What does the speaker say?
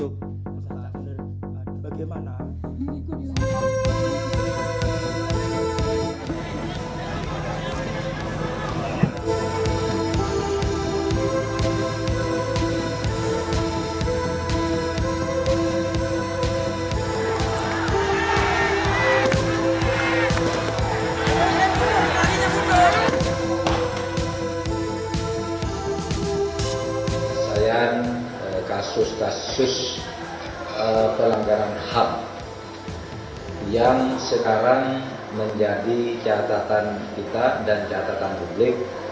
kesayangan kasus kasus pelanggaran ham yang sekarang menjadi catatan kita dan catatan publik